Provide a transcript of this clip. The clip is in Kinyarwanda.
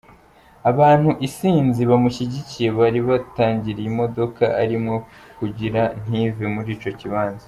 Abantu isinzi bamushigikiye bari batangiriye imodoka arimwo kugira ntive muri ico kibanza.